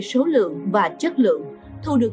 số lượng và chất lượng thu được